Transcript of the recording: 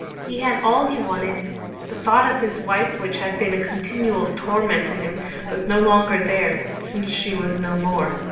He had all he wanted: the thought of his wife which had been a continual torment to him was no longer there, since she was no more.